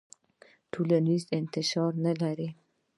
ټولنیز انتشار ونلري.